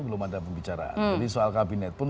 belum ada pembicaraan jadi soal kabinet pun